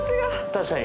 確かに。